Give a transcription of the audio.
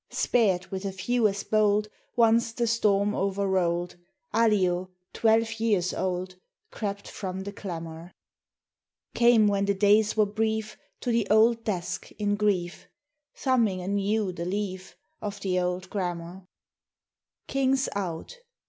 Spared, with a few as bold, Once the storm over rolled, Allio, twelve years old, Crept from the clamor; Came, when the days were brief, To the old desk in grief, Thumbing anew the leaf Of the old grammar. Kings out!...